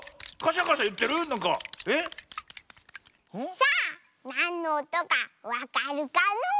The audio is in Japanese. さあなんのおとかわかるかのう？